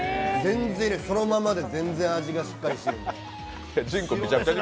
そのままで全然味がしっかりしていて。